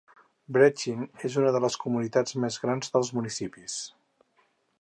Brechin és una de les comunitats més grans dels municipis.